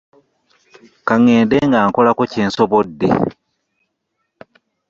Ka ŋŋende nga nkolako kye nsobodde.